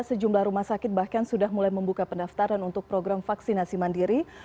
sejumlah rumah sakit bahkan sudah mulai membuka pendaftaran untuk program vaksinasi mandiri